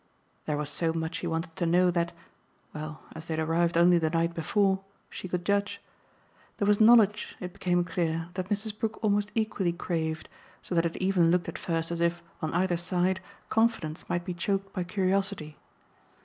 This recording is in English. There was so much he wanted to know that well, as they had arrived only the night before, she could judge. There was knowledge, it became clear, that Mrs. Brook almost equally craved, so that it even looked at first as if, on either side, confidence might be choked by curiosity.